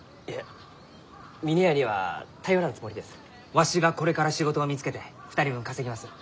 わしがこれから仕事を見つけて２人分稼ぎます。